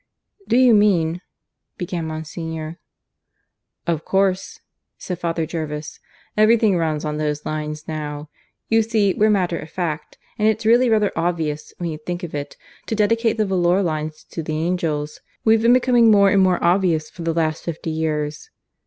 "Do you mean ?" began Monsignor. "Of course," said Father Jervis, "everything runs on those lines now. You see we're matter of fact, and it's really rather obvious, when you think of it, to dedicate the volor lines to the angels. We've been becoming more and more obvious for the last fifty years.